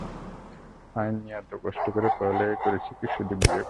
আইন নিয়ে এত কষ্ট করে পড়ালেখা করেছি কি শুধু বিয়ে করার জন্যে?